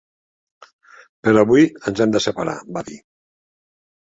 'Per avui ens hem de separar', va dir.